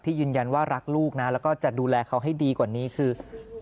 ยืนยันว่ารักลูกนะแล้วก็จะดูแลเขาให้ดีกว่านี้คือ